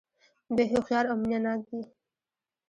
دوی هوښیار او مینه ناک دي.